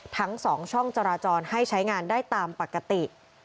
ทั้ง๒ช่องจราจรให้ใช้งานได้ตามปกติ